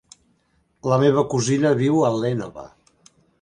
La meva cosina viu a l'Énova.